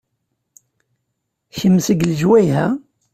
Kemm seg lejwayeh-a?